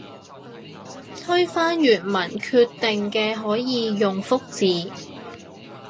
推翻原來決定嘅可以用覆字